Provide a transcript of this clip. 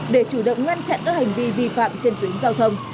để chủ động ngăn chặn các hành vi vi phạm trên tuyến giao thông